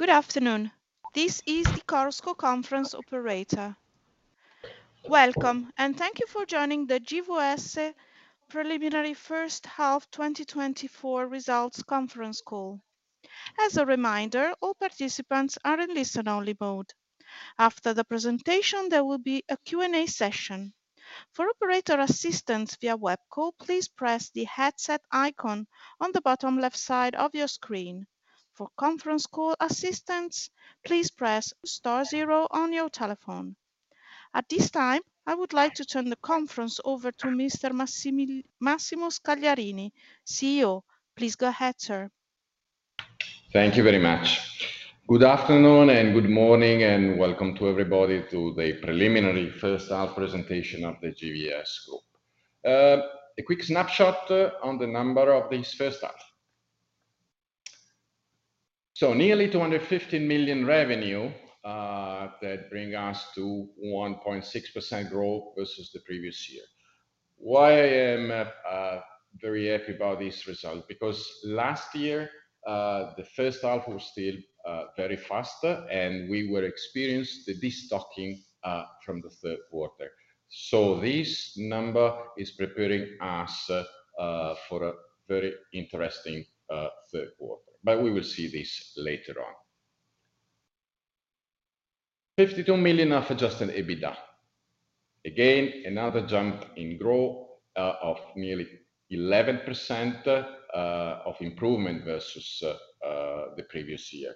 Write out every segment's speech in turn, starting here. Good afternoon. This is the Chorus Call Conference Operator. Welcome, and thank you for joining the GVS Group preliminary first half 2024 results conference call. As a reminder, all participants are in listen-only mode. After the presentation, there will be a Q&A session. For operator assistance via web call, please press the headset icon on the bottom left side of your screen. For conference call assistance, please press star zero on your telephone. At this time, I would like to turn the conference over to Mr. Massimo Scagliarini, CEO. Please go ahead, sir. Thank you very much. Good afternoon and good morning, and welcome to everybody to the preliminary first half presentation of the GVS Group. A quick snapshot on the number of this first half. So nearly 250 million revenue that bring us to 1.6% growth versus the previous year. Why I am very happy about this result? Because last year the first half was still very faster, and we were experienced the destocking from the third quarter. So this number is preparing us for a very interesting third quarter, but we will see this later on. 52 million of adjusted EBITDA. Again, another jump in growth of nearly 11% of improvement versus the previous year.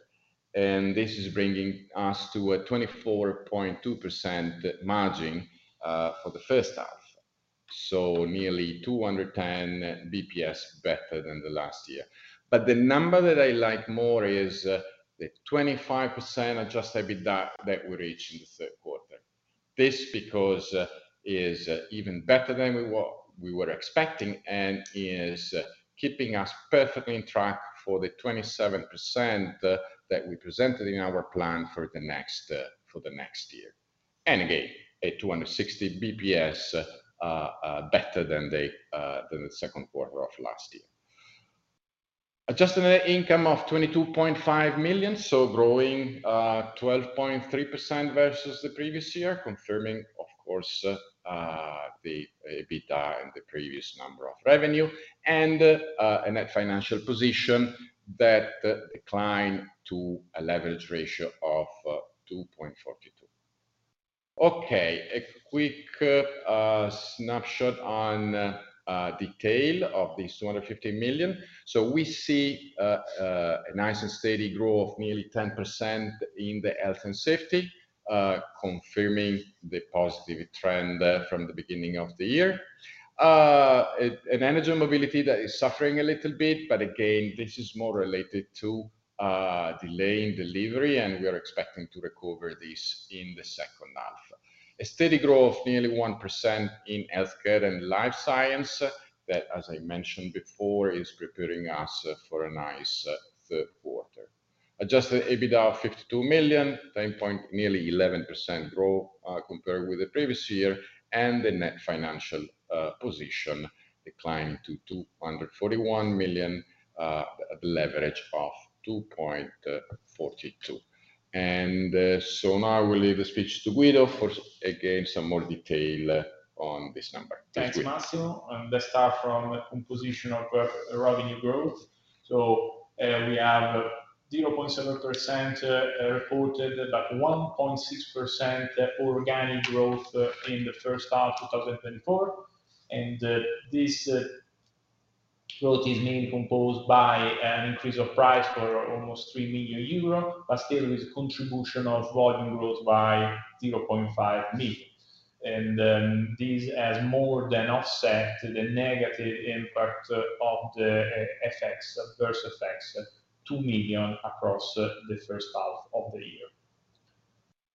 And this is bringing us to a 24.2% margin for the first half, so nearly 210 BPS better than the last year. But the number that I like more is the 25% Adjusted EBITDA that we reach in the third quarter. This, because, is even better than we were expecting, and is keeping us perfectly on track for the 27% that we presented in our plan for the next for the next year. And again, a 260 BPS better than the second quarter of last year. Adjusted net income of 22.5 million, so growing 12.3% versus the previous year, confirming, of course, the EBITDA and the previous number of revenue, and a net financial position that declined to a leverage ratio of 2.42. Okay, a quick snapshot on detail of this 250 million. So we see a nice and steady growth, nearly 10% in the Health and Safety, confirming the positive trend from the beginning of the year. In Energy and Mobility, that is suffering a little bit, but again, this is more related to delay in delivery, and we are expecting to recover this in the second half. A steady growth, nearly 1% in Healthcare and Life Science, that, as I mentioned before, is preparing us for a nice, third quarter. Adjusted EBITDA, 52 million, 10 point... nearly 11% growth, compared with the previous year, and the net financial position declined to 241 million, leverage of 2.42. So now I will leave the speech to Guido for, again, some more detail on this number. Thanks, Massimo. I'm going to start from the composition of revenue growth. So, we have 0.7% reported, but 1.6% organic growth in the first half 2024. And, this growth is mainly composed by an increase of price for almost 3 million euro, but still with contribution of volume growth by 0.5 million. And, this has more than offset the negative impact of the adverse effects, 2 million across the first half of the year.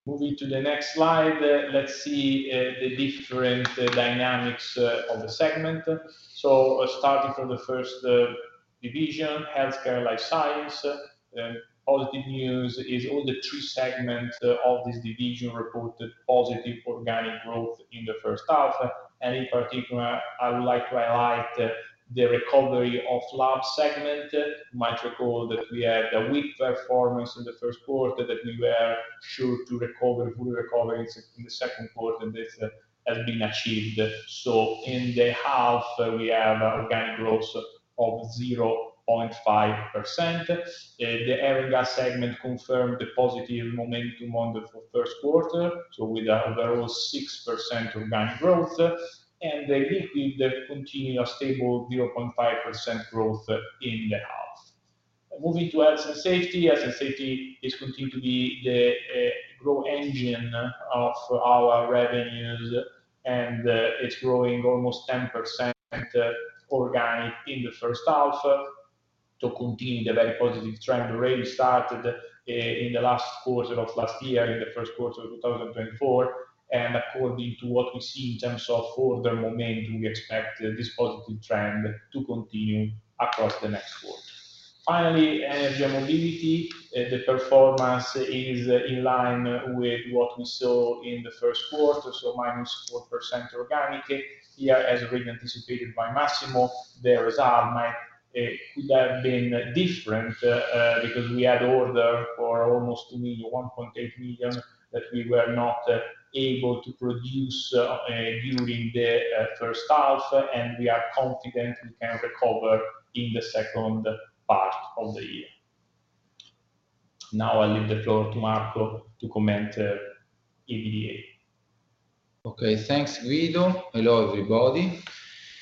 Moving to the next slide, let's see the different dynamics of the segment. So starting from the first division, Healthcare and Life Science, positive news is all the three segments of this division reported positive organic growth in the first half. In particular, I would like to highlight the recovery of Lab segment. You might recall that we had a weak performance in the first quarter, that we were sure to recover, fully recover in the second quarter, and this has been achieved. In the half, we have organic growth of 0.5%. The Air & Gas segment confirmed the positive momentum on the first quarter, so with an overall 6% organic growth, and the Liquid that continue a stable 0.5% growth in the half. Moving to Health and Safety. Health and Safety is continue to be the growth engine of our revenues, and it's growing almost 10% organic in the first half. To continue the very positive trend already started in the last quarter of last year, in the first quarter of 2024, and according to what we see in terms of further momentum, we expect this positive trend to continue across the next quarter. Finally, Energy and Mobility. The performance is in line with what we saw in the first quarter, so -4% organic. Here, as already anticipated by Massimo, it could have been different because we had order for almost 2 million, 1.8 million, that we were not able to produce during the first half, and we are confident we can recover in the second part of the year. Now, I leave the floor to Marco to comment EBITDA. Okay, thanks, Guido. Hello, everybody.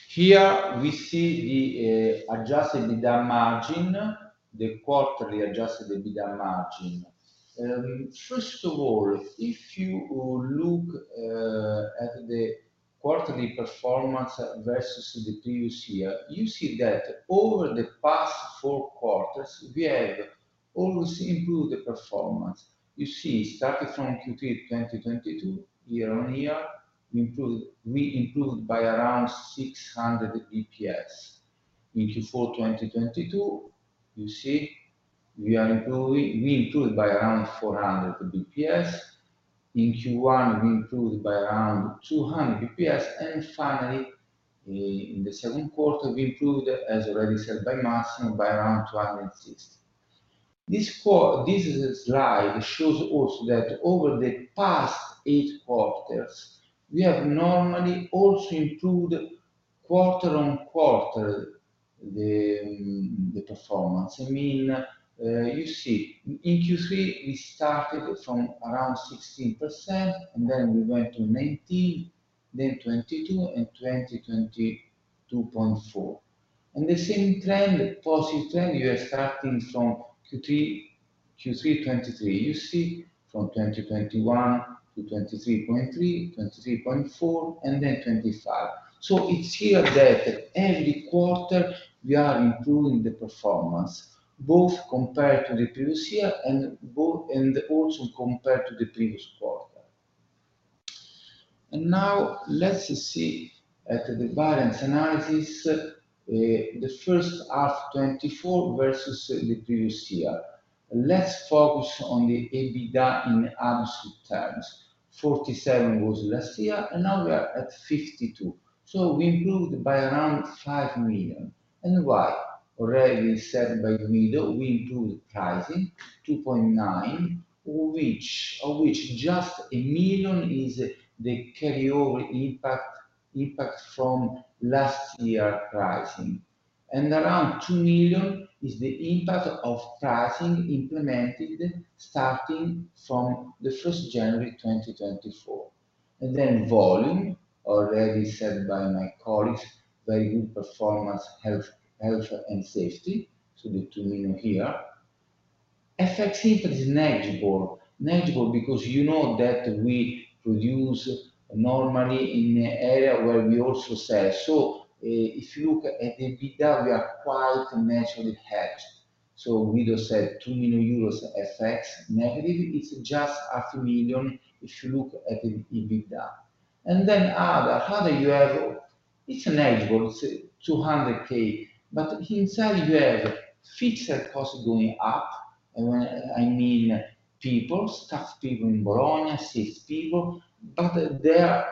Here we see the adjusted EBITDA margin, the quarterly adjusted EBITDA margin. First of all, if you look at the quarterly performance versus the previous year, you see that over the past four quarters, we have always improved the performance. You see, starting from Q3 2022, year-over-year, improved, we improved by around 600 BPS. In Q4 2022, you see we are improving, we improved by around 400 BPS. In Q1, we improved by around 200 BPS. Finally, in the second quarter, we improved, as already said by Massimo, by around 260. This slide shows also that over the past 8 quarters, we have normally also improved quarter-over-quarter, the performance. I mean, you see, in Q3, we started from around 16%, and then we went to 19, then 22, and 22.4. And the same trend, positive trend, we are starting from Q3 2023. You see, from 2021 to 23.3, 23.4, and then 25. So it's clear that every quarter we are improving the performance, both compared to the previous year and also compared to the previous quarter. And now let's see at the variance analysis, the first half 2024 versus the previous year. Let's focus on the EBITDA in absolute terms. 47 was last year, and now we are at 52, so we improved by around 5 million. And why? Already said by Guido, we improved pricing, 2.9, which... Of which just 1 million is the carryover impact from last year pricing. Around 2 million is the impact of pricing implemented starting from January 1, 2024. Then volume, already said by my colleagues, very good performance, Healthcare and Safety, so the 2 million here. FX impact is negligible. Negligible because you know that we produce normally in an area where we also sell. So, if you look at the EBITDA, we are quite naturally hedged. So Guido said 2 million euros FX negative, it's just 500,000 if you look at the EBITDA. And then other, you have, it's negligible, it's 200,000, but inside you have fixed cost going up. I mean, people, staff, people in Bologna, sales people, but their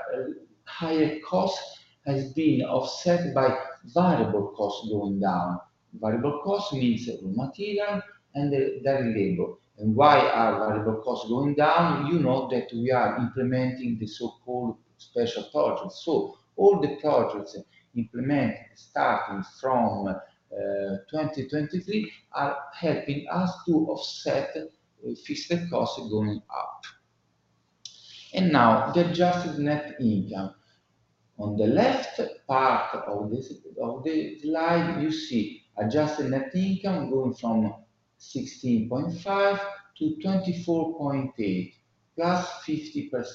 higher cost has been offset by variable costs going down. Variable cost means raw material and the labor. And why are variable costs going down? You know that we are implementing the so-called special projects. So all the projects implemented starting from 2023 are helping us to offset fixed costs going up. And now, the adjusted net income. On the left part of this, of the slide, you see adjusted net income going from 16.5 million-24.8 million, +50%.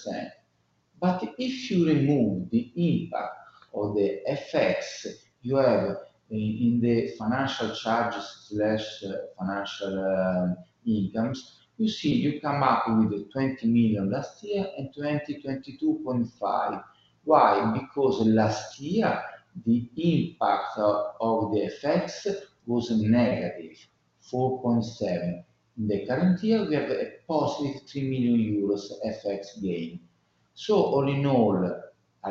But if you remove the impact of the FX, you have in the financial charges, financial incomes, you see you come up with 20 million last year and 22.5 million. Why? Because last year, the impact of the FX was negative 4.7 million. In the current year, we have a positive 3 million euros FX gain. So all in all,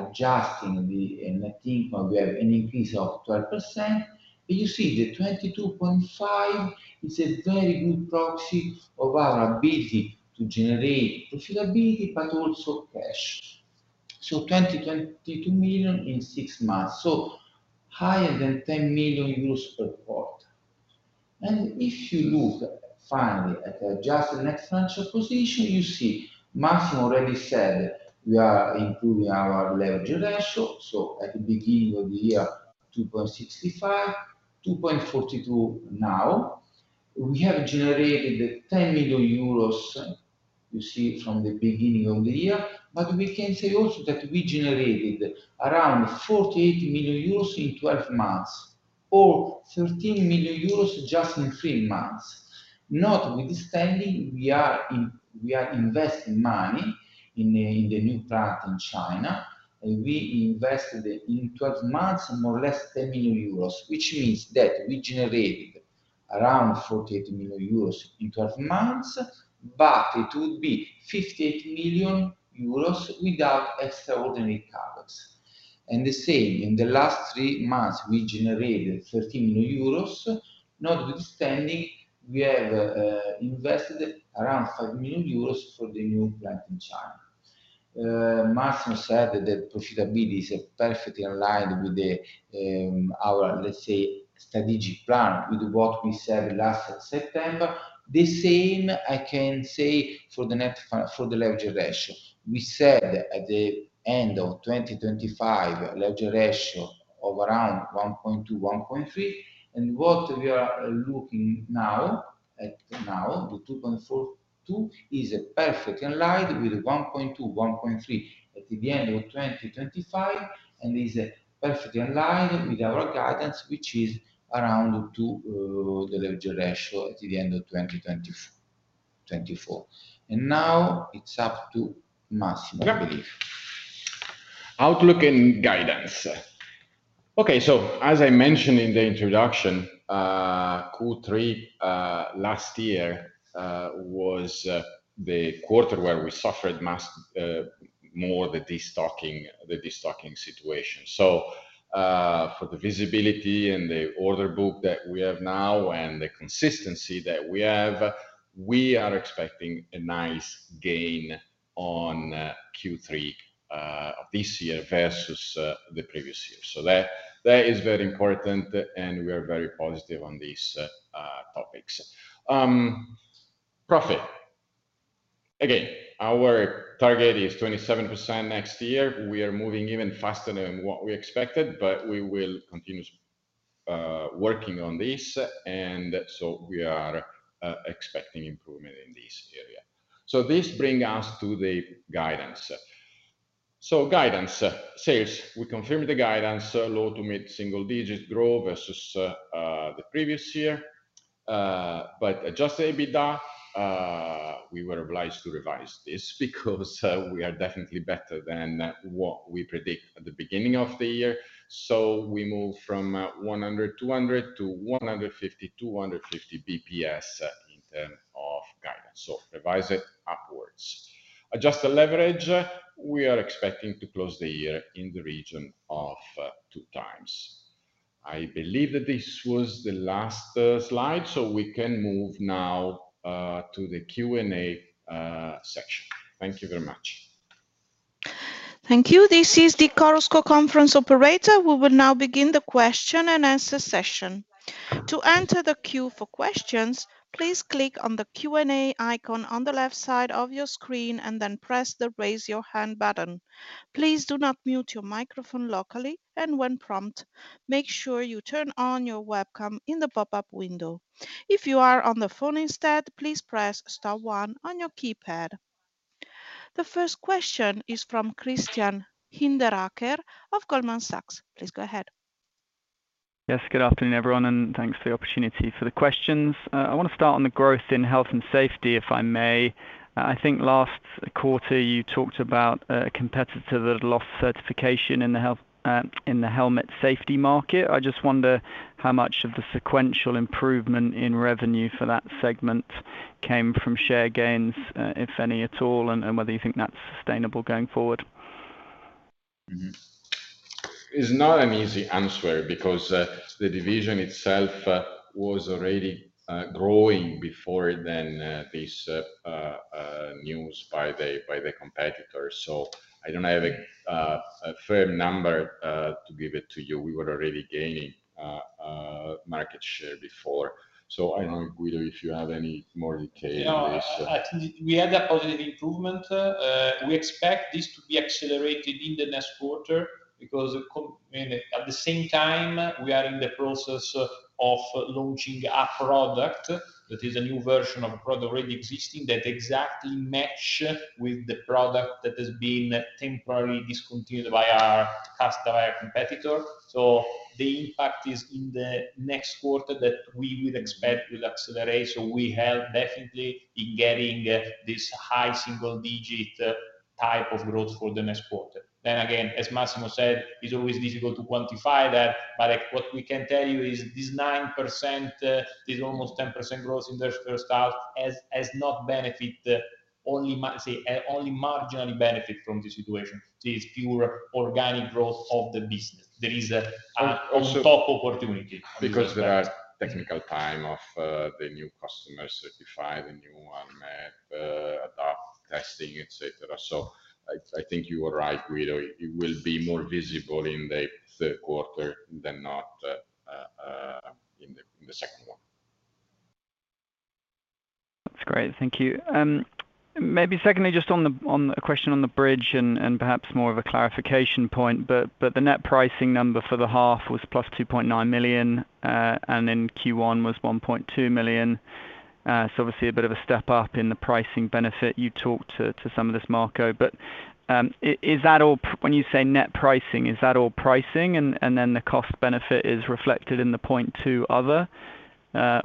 adjusting the net income, we have an increase of 12%. You see, the 22.5 is a very good proxy of our ability to generate profitability, but also cash. So 22 million in six months, so higher than 10 million euros per quarter. And if you look finally at the adjusted net financial position, you see, Massimo already said we are improving our leverage ratio. So at the beginning of the year, 2.65, 2.42 now. We have generated 10 million euros, you see, from the beginning of the year, but we can say also that we generated around 48 million euros in 12 months, or 13 million euros just in three months. Notwithstanding, we are investing money in the new plant in China, and we invested in twelve months, more or less 10 million euros, which means that we generated-... around 48 million euros in 12 months, but it would be 58 million euros without extraordinary costs. And the same, in the last three months, we generated 13 million euros, notwithstanding we have invested around 5 million euros for the new plant in China. Massimo said that the profitability is perfectly aligned with our, let's say, strategic plan, with what we said last September. The same I can say for the net financial position for the leverage ratio. We said at the end of 2025, leverage ratio of around 1.2-1.3, and what we are looking at now, the 2.42, is perfectly aligned with 1.2-1.3 at the end of 2025, and is perfectly aligned with our guidance, which is around 2, the leverage ratio at the end of 2024. And now it's up to Massimo, I believe. Yeah. Outlook and guidance. Okay, so as I mentioned in the introduction, Q3 last year was the quarter where we suffered massive more the destocking, the destocking situation. So, for the visibility and the order book that we have now and the consistency that we have, we are expecting a nice gain on Q3 of this year versus the previous year. So that, that is very important, and we are very positive on these topics. Profit. Again, our target is 27% next year. We are moving even faster than what we expected, but we will continue working on this, and so we are expecting improvement in this area. So this bring us to the guidance. So guidance. Sales, we confirm the guidance, low- to mid-single-digit growth versus the previous year. But adjusted EBITDA, we were obliged to revise this because we are definitely better than what we predict at the beginning of the year. So we moved from 100 BPS-200 BPS to 150 BPS-250 BPS in terms of guidance, so revise it upwards. Adjusted leverage, we are expecting to close the year in the region of 2x. I believe that this was the last slide, so we can move now to the Q&A section. Thank you very much. Thank you. This is the Chorus Call conference operator. We will now begin the question-and-answer session. To enter the queue for questions, please click on the Q&A icon on the left side of your screen and then press the Raise Your Hand button. Please do not mute your microphone locally, and when prompted, make sure you turn on your webcam in the pop-up window. If you are on the phone instead, please press star one on your keypad. The first question is from Christian Hinderaker of Goldman Sachs. Please go ahead. Yes, good afternoon, everyone, and thanks for the opportunity for the questions. I want to start on the growth in Health and Safety, if I may. I think last quarter, you talked about a competitor that lost certification in the health in the helmet safety market. I just wonder how much of the sequential improvement in revenue for that segment came from share gains, if any, at all, and, and whether you think that's sustainable going forward? It's not an easy answer, because the division itself was already growing before then, this news by the competitor. So I don't have a firm number to give it to you. We were already gaining market share before. So I don't know, Guido, if you have any more detail on this? No, I... We had a positive improvement. We expect this to be accelerated in the next quarter, because and at the same time, we are in the process of launching a product that is a new version of a product already existing, that exactly match with the product that has been temporarily discontinued by our customer, our competitor. So the impact is in the next quarter that we would expect will accelerate. So we have definitely in getting this high single digit type of growth for the next quarter. Then again, as Massimo said, it's always difficult to quantify that, but, what we can tell you is this 9%, this almost 10% growth in the first half has not benefit only marginally benefit from the situation. This is pure organic growth of the business. There is a- Also- on top opportunity. Because there are technical time of the new customers certify, the new one, adopt, testing, et cetera. So I think you are right, Guido. It will be more visible in the third quarter than not in the second one. That's great. Thank you. Maybe secondly, just on a question on the bridge and perhaps more of a clarification point, but the net pricing number for the half was +2.9 million, and then Q1 was 1.2 million. So obviously a bit of a step up in the pricing benefit. You talked to some of this, Marco, but is that all... When you say net pricing, is that all pricing, and then the cost benefit is reflected in the 0.2 other,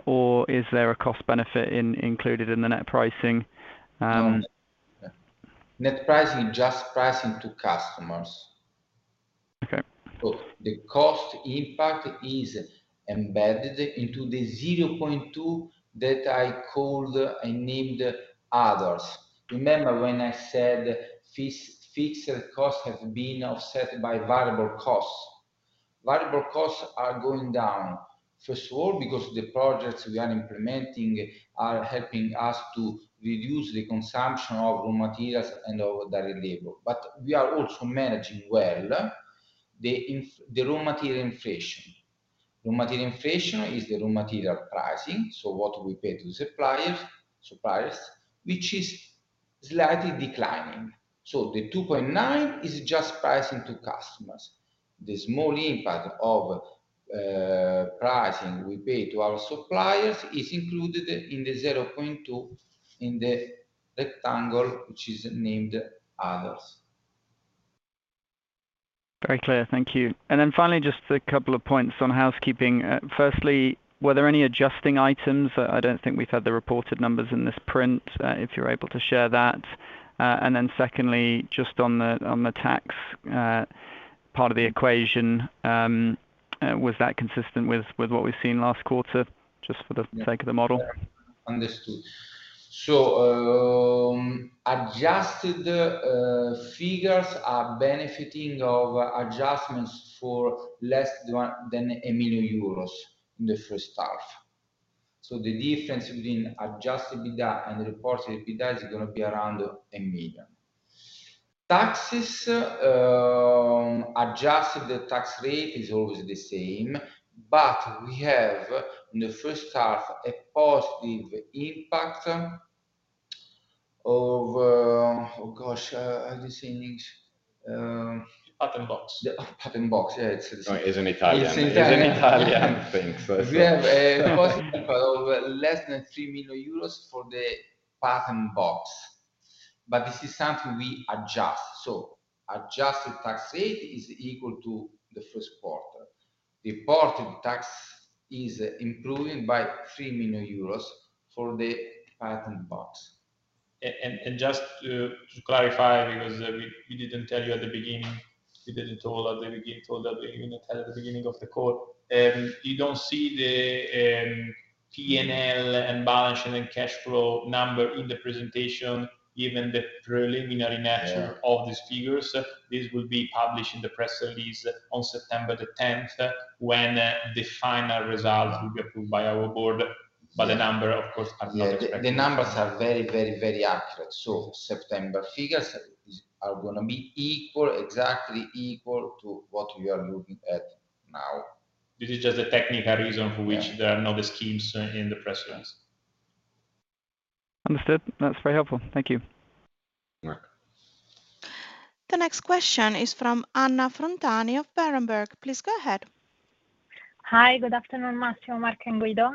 or is there a cost benefit included in the net pricing? Net pricing is just pricing to customers. Okay. So the cost impact is embedded into the 0.2 that I called, I named others. Remember when I said fixed costs have been offset by variable costs? Variable costs are going down, first of all, because the projects we are implementing are helping us to reduce the consumption of raw materials and of direct labor. But we are also managing well the raw material inflation. Raw material inflation is the raw material pricing, so what we pay to suppliers, suppliers, which is slightly declining. So the 2.9 is just pricing to customers. The small impact of pricing we pay to our suppliers is included in the 0.2, in the rectangle, which is named Others. Very clear. Thank you. And then finally, just a couple of points on housekeeping. Firstly, were there any adjusting items? I don't think we've had the reported numbers in this print, if you're able to share that. And then secondly, just on the tax part of the equation, was that consistent with what we've seen last quarter, just for the sake of the model? Understood. So, adjusted figures are benefiting of adjustments for less than 1 million euros in the first half. So the difference between adjusted EBITDA and reported EBITDA is gonna be around 1 million. Taxes, adjusted tax rate is always the same, but we have, in the first half, a positive impact of... Oh, gosh, how do you say in English? Patent Box. Yeah, Patent Box. Yeah, it's- It's in Italian. It's Italian. It's in Italian. Thanks. We have a positive impact of less than 3 million euros for the Patent Box, but this is something we adjust. Adjusted tax rate is equal to the first quarter. The reported tax is improved by 3 million euros for the Patent Box. And just to clarify, because we didn't tell you at the beginning of the call. You don't see the PNL and balance and then cash flow number in the presentation, given the preliminary nature- Yeah... of these figures. This will be published in the press release on September the 10th, when the final results will be approved by our board. But the number, of course, are not expected- The numbers are very, very, very accurate. So September figures are gonna be equal, exactly equal to what we are looking at now. This is just a technical reason- Yeah... for which there are no schemes in the press release. Understood. That's very helpful. Thank you. You're welcome. The next question is from Anna Frontani of Berenberg. Please go ahead. Hi. Good afternoon, Massimo, Marco, and Guido.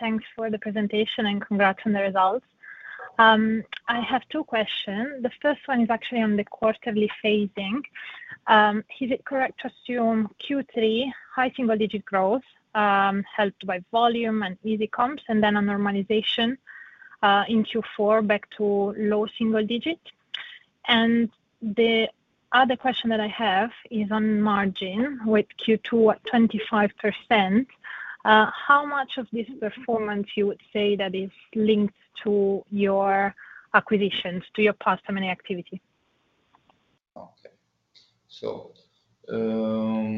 Thanks for the presentation, and congrats on the results. I have two questions. The first one is actually on the quarterly phasing. Is it correct to assume Q3, high single-digit growth, helped by volume and easy comps, and then a normalization in Q4 back to low single digit? And the other question that I have is on margin, with Q2 at 25%, how much of this performance you would say that is linked to your acquisitions, to your past M&A activity? Okay.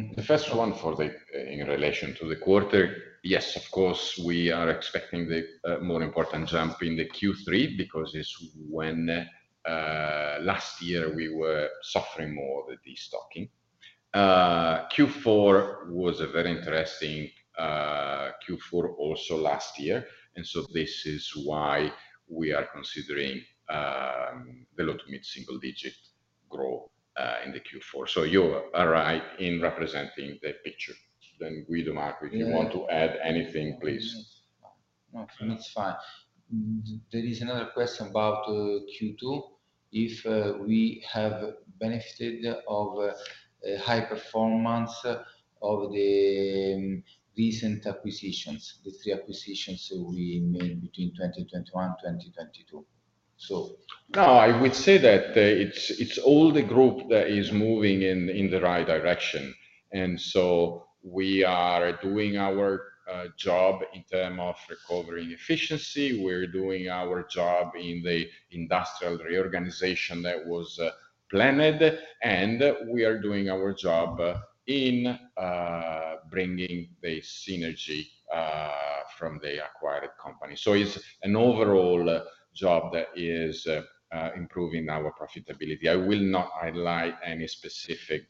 So, the first one for the, in relation to the quarter, yes, of course, we are expecting the, more important jump in the Q3 because it's when, last year we were suffering more with the stocking. Q4 was a very interesting, Q4 also last year, and so this is why we are considering, the low to mid single digit growth, in the Q4. So you are right in representing the picture. Then Guido, Marco, if you want to add anything, please. No, that's fine. There is another question about Q2, if we have benefited of a high performance of the recent acquisitions, the three acquisitions that we made between 2021, 2022. So- No, I would say that it's all the group that is moving in the right direction. And so we are doing our job in terms of recovering efficiency. We're doing our job in the industrial reorganization that was planned, and we are doing our job in bringing the synergy from the acquired company. So it's an overall job that is improving our profitability. I will not highlight any specific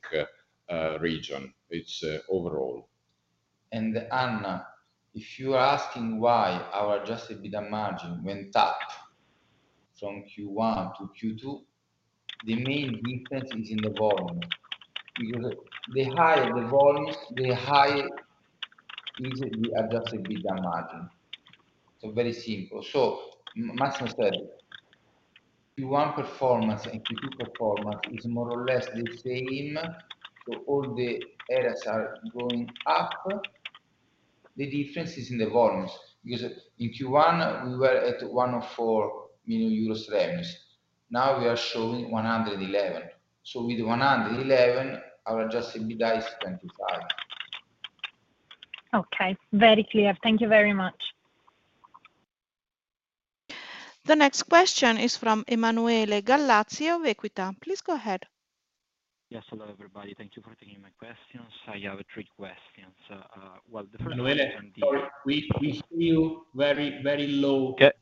region. It's overall. Anna, if you are asking why our Adjusted EBITDA margin went up from Q1-Q2, the main difference is in the volume. Because the higher the volumes, the higher is the Adjusted EBITDA margin. So very simple. So Massimo said Q1 performance and Q2 performance is more or less the same, so all the areas are going up.... the difference is in the volumes, because in Q1, we were at 104 million euros revenues. Now we are showing 111 million. So with 111 million, our Adjusted EBITDA is 25 million. Okay, very clear. Thank you very much. The next question is from Emanuele Gallazzi of Equita. Please go ahead. Yes. Hello, everybody. Thank you for taking my questions. I have three questions. Well, the first one- Emanuele, sorry, we hear you very, very low. Okay.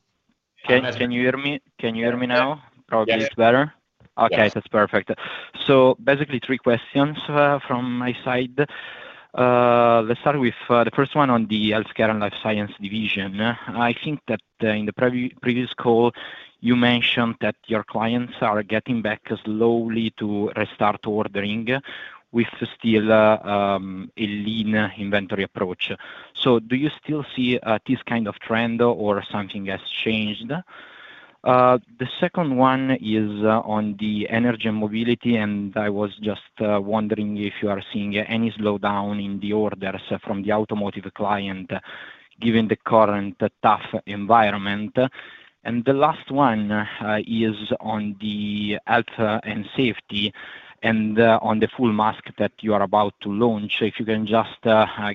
Can, can you hear me? Can you hear me now? Yes. Probably it's better? Yes. Okay, that's perfect. So basically, three questions from my side. Let's start with the first one on the Healthcare and Life Science division. I think that in the previous call, you mentioned that your clients are getting back slowly to restart ordering with still a lean inventory approach. So do you still see this kind of trend or something has changed? The second one is on the Energy and Mobility, and I was just wondering if you are seeing any slowdown in the orders from the automotive client, given the current tough environment. And the last one is on the Health and Safety, and on the full mask that you are about to launch. If you can just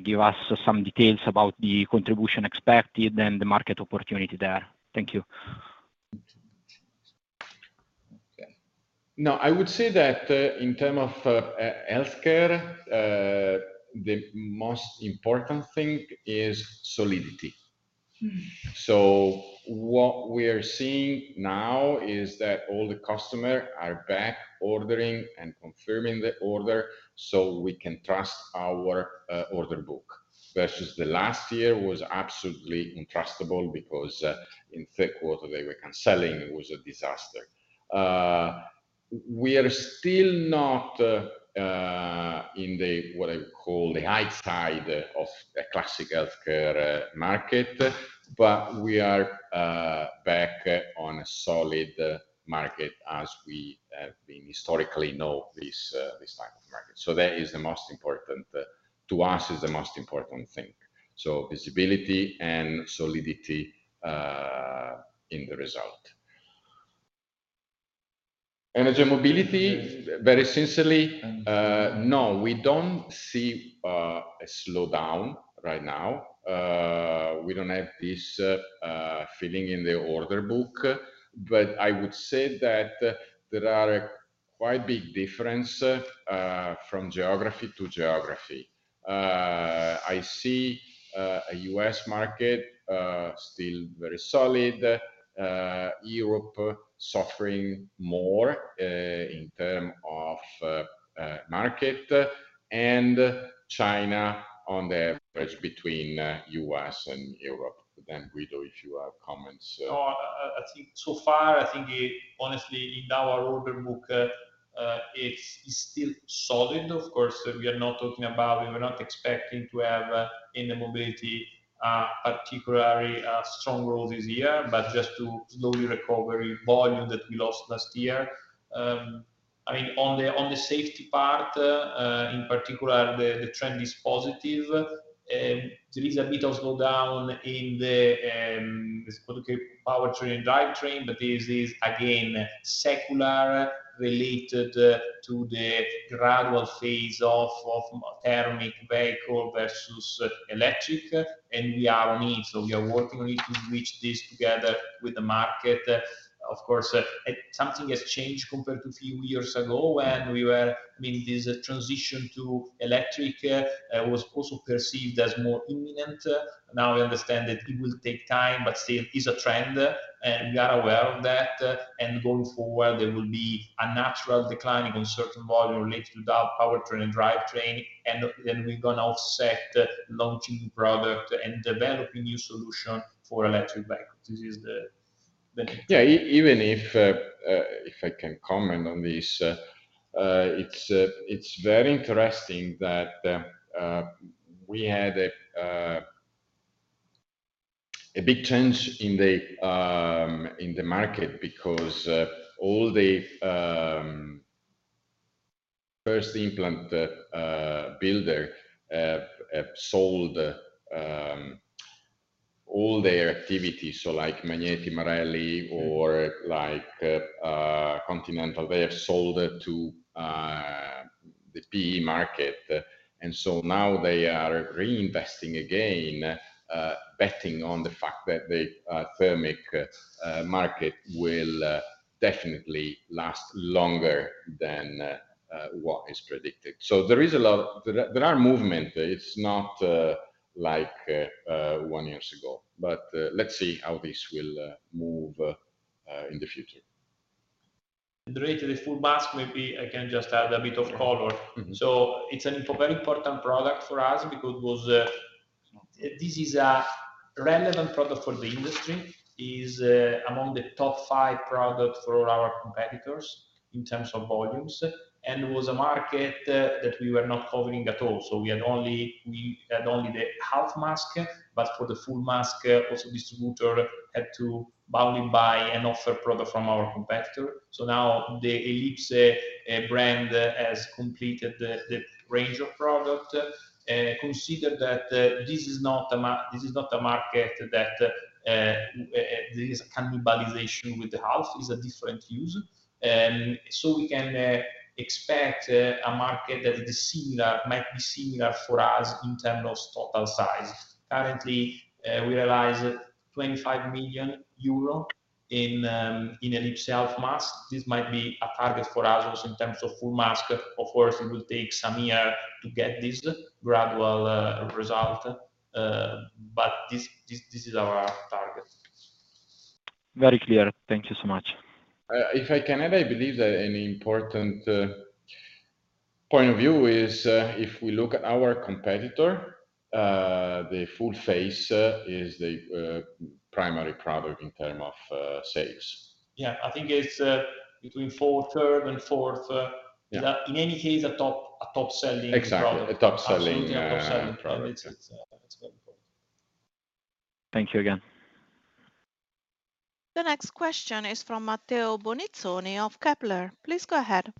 give us some details about the contribution expected and the market opportunity there. Thank you. Now, I would say that in terms of healthcare, the most important thing is solidity. So what we are seeing now is that all the customers are back ordering and confirming the order, so we can trust our order book. Versus last year was absolutely untrustable because in this quarter, they were canceling. It was a disaster. We are still not in what I would call the high tide of a classic healthcare market, but we are back on a solid market as we historically know this type of market. So that is the most important. To us, is the most important thing. So visibility and solidity in the result. Energy mobility, very sincerely, no, we don't see a slowdown right now. We don't have this feeling in the order book, but I would say that there are a quite big difference from geography to geography. I see a U.S. market still very solid, Europe suffering more in term of market, and China on the average between U.S. and Europe. Then, Guido, if you have comments. No, I think so far, I think, honestly, in our order book, it's still solid. Of course, we are not talking about, we are not expecting to have, in the mobility, a particularly, a strong growth this year, but just to slowly recovery volume that we lost last year. I mean, on the safety part, in particular, the trend is positive. There is a bit of slowdown in the, let's put it, powertrain and drivetrain, but this is again secular, related, to the gradual phase off of thermic vehicle versus electric, and we are on it. So we are working on it to reach this together with the market. Of course, something has changed compared to a few years ago when we were... Meaning, this transition to electric was also perceived as more imminent. Now we understand that it will take time, but still is a trend, and we are aware of that. And going forward, there will be a natural declining in certain volume related to the powertrain and drivetrain, and then we're gonna offset launching product and developing new solution for electric vehicles. This is the Yeah, even if I can comment on this, it's very interesting that we had a big change in the market because all the first implant builder sold all their activities. So like Magneti Marelli or like Continental, they have sold it to the PE market. And so now they are reinvesting again, betting on the fact that the thermic market will definitely last longer than what is predicted. So there is a lot... There are movements. It's not like one year ago, but let's see how this will move in the future. The rate of the full mask, maybe I can just add a bit of color. Mm-hmm. So it's a very important product for us. This is a relevant product for the industry, among the top five products for our competitors in terms of volumes, and it was a market that we were not covering at all. So we had only the half mask.... but for the full mask, also distributor had to buy and buy and offer product from our competitor. So now the Elipse brand has completed the range of product. Consider that this is not a market that there is cannibalization with the health, is a different use. So we can expect a market that is similar, might be similar for us in terms of total size. Currently, we realize EUR 25 million in Elipse half mask. This might be a target for us also in terms of full mask. Of course, it will take some year to get this gradual result, but this, this, this is our target. Very clear. Thank you so much. If I can add, I believe that an important point of view is if we look at our competitor, the full face is the primary product in terms of sales. Yeah, I think it's between third and fourth. Yeah. In any case, a top, a top-selling product. Exactly, a top-selling product. Absolutely, a top-selling, and it's very important. Thank you again. The next question is from Matteo Bonizzoni of Kepler. Please go ahead.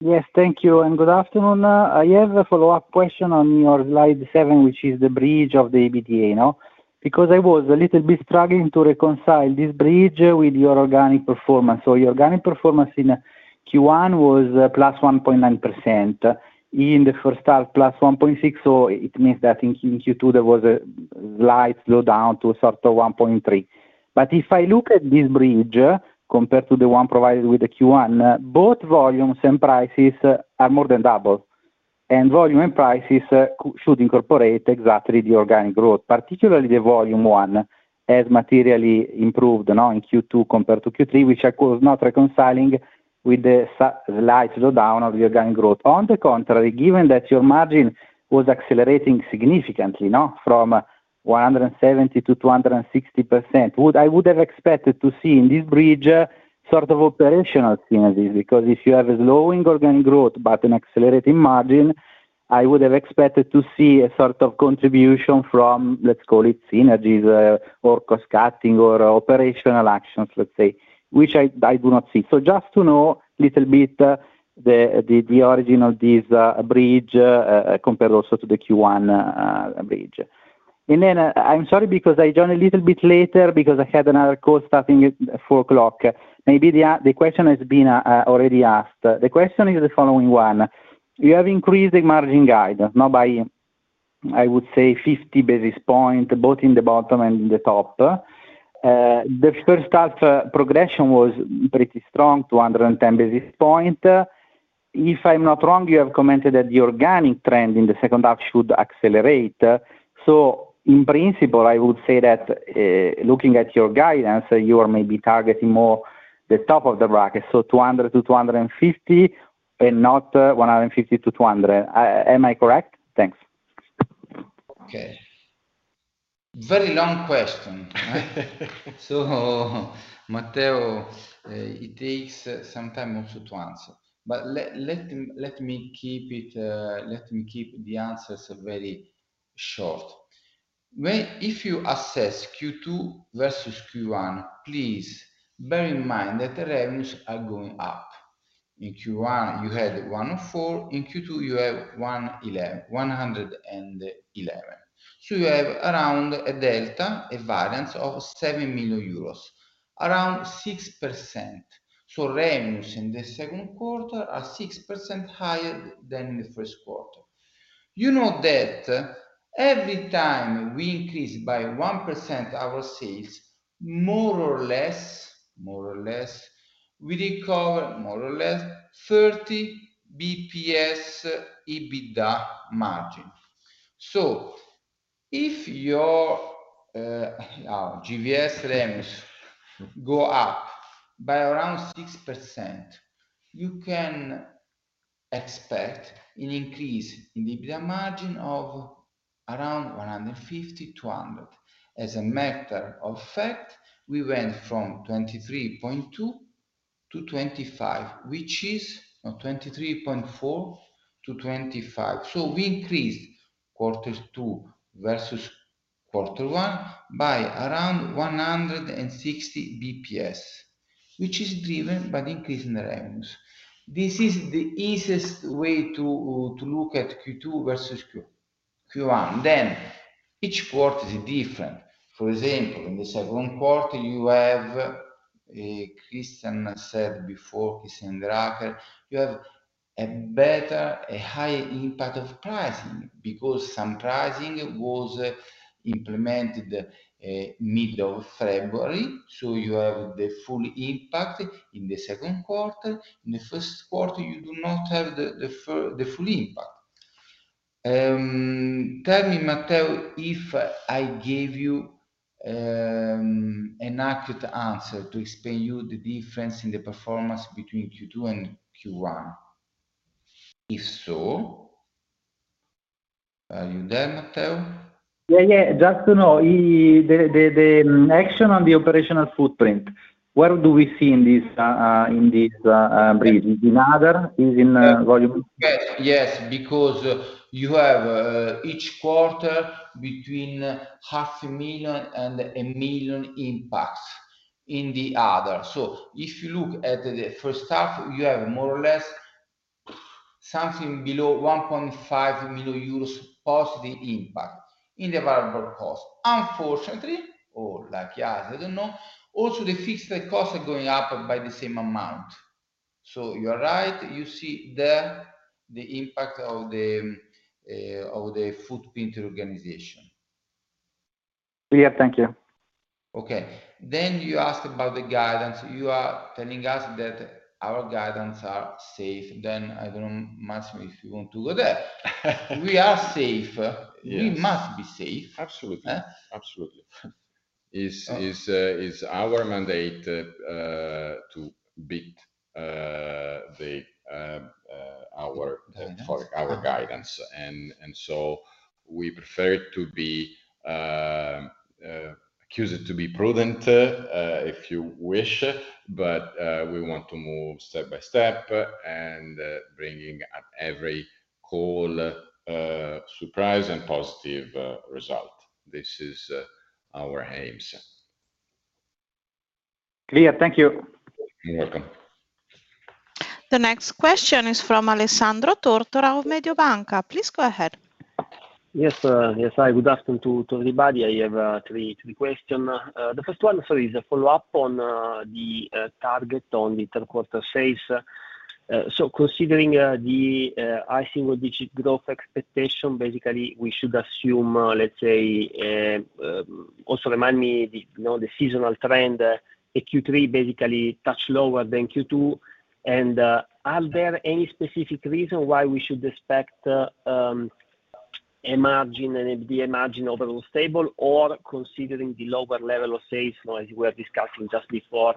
Yes, thank you, and good afternoon. I have a follow-up question on your slide 7, which is the bridge of the EBITDA, you know? Because I was a little bit struggling to reconcile this bridge with your organic performance. So your organic performance in Q1 was +1.9%. In the first half, +1.6%, so it means that in Q2 there was a slight slowdown to sort of 1.3%. But if I look at this bridge compared to the one provided with the Q1, both volumes and prices are more than double, and volume and prices should incorporate exactly the organic growth, particularly the volume one, has materially improved, you know, in Q2 compared to Q3, which I was not reconciling with the slight slowdown of the organic growth. On the contrary, given that your margin was accelerating significantly, you know, from 170%-260%, I would have expected to see in this bridge sort of operational synergies. Because if you have a slowing organic growth, but an accelerating margin, I would have expected to see a sort of contribution from, let's call it, synergies or cost cutting or operational actions, let's say, which I do not see. So just to know little bit the origin of this bridge compared also to the Q1 bridge. And then, I'm sorry, because I joined a little bit later because I had another call starting at 4:00 P.M. Maybe the question has been already asked. The question is the following one: You have increased the margin guide, now by, I would say, 50 basis points, both in the bottom and in the top. The first half progression was pretty strong, 210 basis points. If I'm not wrong, you have commented that the organic trend in the second half should accelerate. So in principle, I would say that, looking at your guidance, you are maybe targeting more the top of the bracket, so 200-250, and not 150-200. Am I correct? Thanks. Okay. Very long question. So, Matteo, it takes some time also to answer, but let me keep the answers very short. If you assess Q2 versus Q1, please bear in mind that the revenues are going up. In Q1, you had 104, in Q2, you have 111. So you have around a delta, a variance of 7 million euros, around 6%. So revenues in the second quarter are 6% higher than in the first quarter. You know that every time we increase by 1% our sales, more or less, more or less, we recover more or less 30 basis points EBITDA margin. So if your GVS revenues go up by around 6%, you can expect an increase in EBITDA margin of around 150-200. As a matter of fact, we went from 23.2-25, which is... No, 23.4-25. So we increased quarter two versus quarter one by around 160 BPS, which is driven by the increase in the revenues. This is the easiest way to look at Q2 versus Q1. Then, each quarter is different. For example, in the second quarter, you have Christian said before, Christian Hinderaker, you have a better, a high impact of pricing, because some pricing was implemented middle of February, so you have the full impact in the second quarter. In the first quarter, you do not have the, the full, the full impact. Tell me, Matteo, if I gave you an accurate answer to explain you the difference in the performance between Q2 and Q1. If so, are you there, Matteo?... Yeah, yeah, just to know, the action on the operational footprint, where do we see in this brief? In other, is in volume? Yes, yes, because, you have, each quarter between 500,000 and 1 million impacts in the other. So if you look at the first half, you have more or less, something below 1.5 million euros positive impact in the variable cost. Unfortunately, or luckily, I don't know, also the fixed costs are going up by the same amount. So you are right, you see there, the impact of the, of the footprint organization. Yeah, thank you. Okay. Then you asked about the guidance. You are telling us that our guidance are safe, then I don't know, Massimo, if you want to go there. We are safe. Yes. We must be safe. Absolutely. Eh? Absolutely. It's our mandate to beat the our- Guidance... for our guidance. So we prefer to be accused to be prudent, if you wish, but we want to move step by step, and bringing at every call, surprise and positive result. This is our aims. Clear. Thank you. You're welcome. The next question is from Alessandro Tortora of Mediobanca. Please go ahead. Yes, hi. Good afternoon to everybody. I have three questions. The first one is a follow-up on the target on the third quarter sales. So considering the high single digit growth expectation, basically, we should assume, let's say, also remind me the, you know, the seasonal trend, Q3 basically touch lower than Q2. Are there any specific reason why we should expect a margin and the margin overall stable? Or considering the lower level of sales, as you were discussing just before,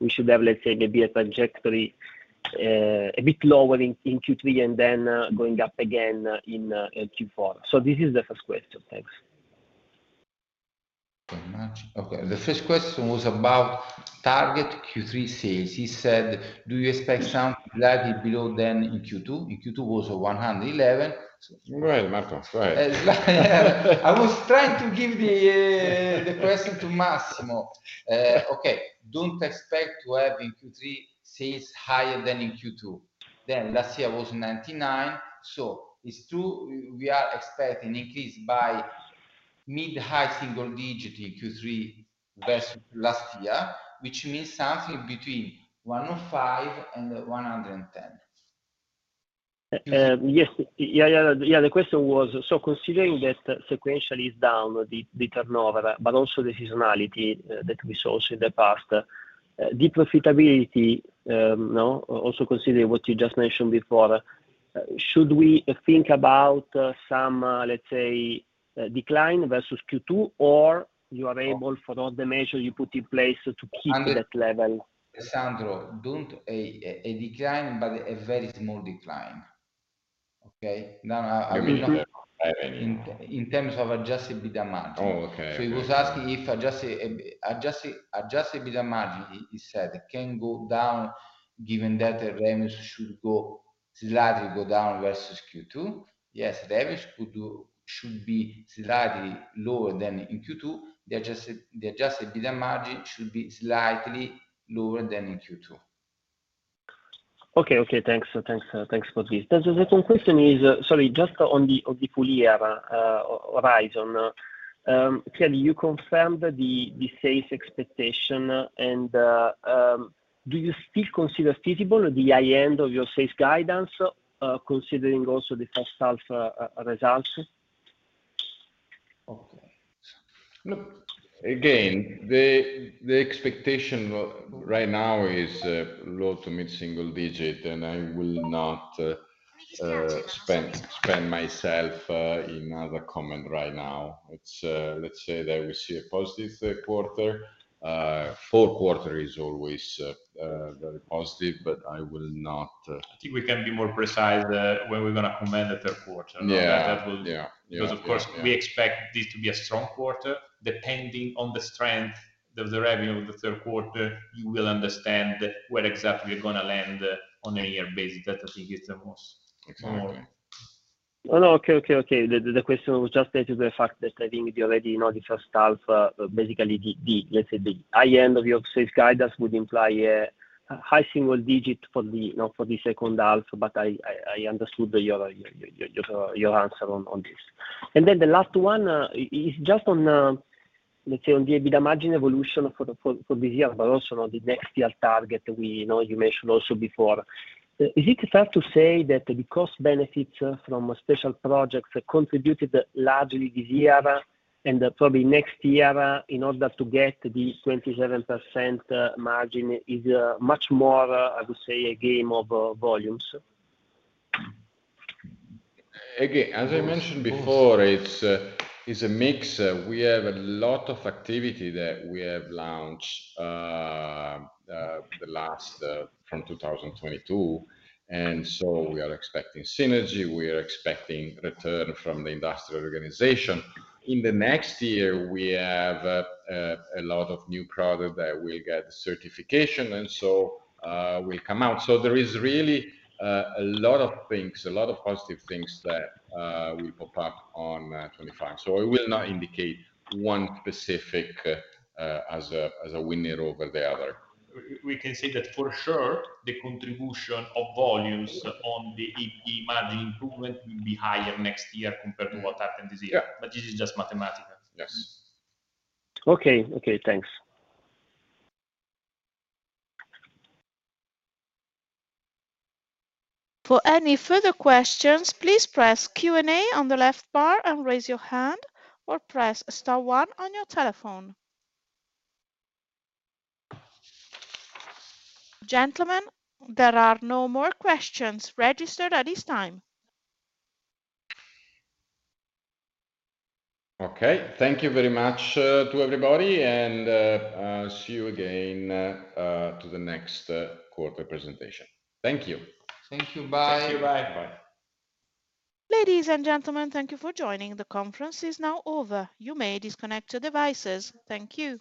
we should have, let's say, maybe a trajectory a bit lower in Q3 and then going up again in Q4. So this is the first question. Thanks. Thank you very much. Okay, the first question was about target Q3 sales. He said, "Do you expect something slightly below than in Q2?" In Q3 was 111. Right, Marco, right. I was trying to give the question to Massimo. Okay, don't expect to have in Q3 sales higher than in Q2. Then last year was 99, so we are expecting increase by mid-high single-digit in Q3 versus last year, which means something between 105 and 110. Yes. Yeah, yeah, yeah, the question was, so considering that sequentially is down the, the turnover, but also the seasonality, that we saw also in the past, the profitability, also considering what you just mentioned before, should we think about, some, let's say, decline versus Q2, or you are able, for all the measures you put in place, to keep that level? Alessandro, don't decline, but a very small decline. Okay? Now, I- In terms of anymore. In terms of Adjusted EBITDA margin. Oh, okay. He was asking if adjusted EBITDA margin can go down, given that the revenues should slightly go down versus Q2. Yes, the average should be slightly lower than in Q3. The adjusted EBITDA margin should be slightly lower than in Q2. Okay, okay. Thanks. Thanks, thanks for this. The second question is... Sorry, just on the full year horizon. Can you confirm the sales expectation, and do you still consider feasible the high end of your sales guidance, considering also the first half results? Okay. Look Again, the expectation right now is low to mid single digit, and I will not expand myself in other comment right now. It's, let's say that we see a positive quarter. Fourth quarter is always very positive, but I will not. I think we can be more precise when we're going to comment the third quarter. Yeah. That will- Yeah. Yeah, yeah. Because, of course, we expect this to be a strong quarter. Depending on the strength of the revenue of the third quarter, you will understand where exactly we're going to land, on a year basis. That I think is the most- Exactly. Oh, no. Okay, okay, okay. The question was just related to the fact that I think we already know the first half, basically the, let's say, the high end of your sales guidance would imply a high single digit for the, you know, for the second half, but I understood your answer on this. And then the last one is just on, let's say on the EBITDA margin evolution for the, for this year, but also on the next year target. You know, you mentioned also before. Is it fair to say that the cost benefits from special projects contributed largely this year, and probably next year, in order to get the 27% margin is much more, I would say, a game of volumes? Again, as I mentioned before, it's a mix. We have a lot of activity that we have launched the last from 2022, and so we are expecting synergy, we are expecting return from the industrial organization. In the next year, we have a lot of new product that will get certification, and so will come out. So there is really a lot of things, a lot of positive things that will pop up on 25. So I will not indicate one specific as a winner over the other. We can say that for sure, the contribution of volumes on the EBITDA margin improvement will be higher next year compared to what happened this year. Yeah. But this is just mathematical. Yes. Okay. Okay, thanks. For any further questions, please press Q&A on the left bar and raise your hand or press star one on your telephone. Gentlemen, there are no more questions registered at this time. Okay. Thank you very much to everybody, and see you again to the next quarter presentation. Thank you. Thank you. Bye. Thank you. Bye. Ladies and gentlemen, thank you for joining. The conference is now over. You may disconnect your devices. Thank you.